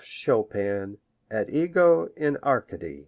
Chopin, et ego in Arcady."